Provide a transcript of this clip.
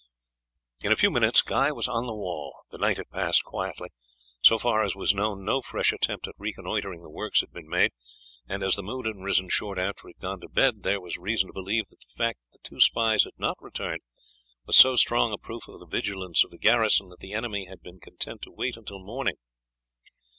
In a few minutes Guy was on the wall. The night had passed quietly; so far as was known no fresh attempt at reconnoitring the works had been made, and as the moon had risen soon after he had gone to bed there was reason to believe that the fact that the two spies had not returned was so strong a proof of the vigilance of the garrison, that the enemy had been content to wait until morning.